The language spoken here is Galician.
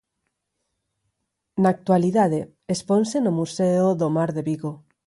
Na actualidade, exponse no Museo do Mar de Vigo.